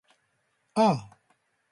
ああ